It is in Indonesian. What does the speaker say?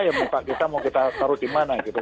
ya muka kita mau kita taruh dimana gitu